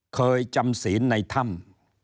เคยจำศีลในถ้ำ